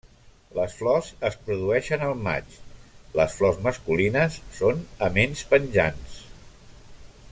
Les flors es produeixen al maig; les flors masculines són aments penjants.